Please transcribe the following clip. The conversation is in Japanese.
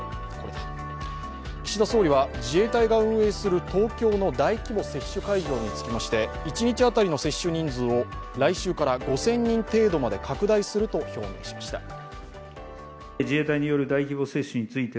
岸田総理は自衛隊が運営する東京の大規模接種会場につきまして一日当たりの接種人数を来週から５０００人程度まで拡大すると表明しました。